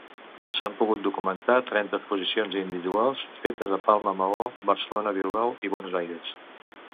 S'han pogut documentar trenta exposicions individuals fetes a Palma, Maó, Barcelona, Bilbao i Buenos Aires.